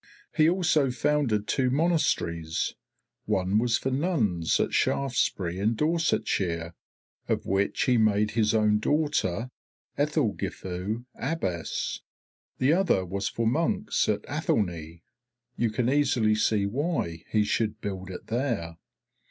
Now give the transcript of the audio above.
He also founded two monasteries; one was for nuns, at Shaftesbury in Dorsetshire, of which he made his own daughter, Aethelgifu, abbess. The other was for monks at Athelney; you can easily see why he should build it there.